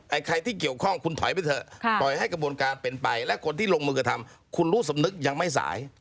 ใครที่เกี่ยวข้องคุณถอยไปเถอะปล่อยให้กระบวนการเป็นไปและคนที่ลงมือกระทำคุณรู้สำนึกยังไม่สาย